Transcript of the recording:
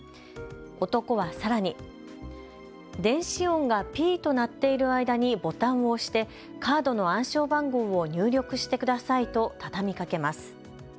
男はさらに電子音がピーと鳴っている間にボタンを押してカードの暗証番号を入力してくださいと畳みかけます。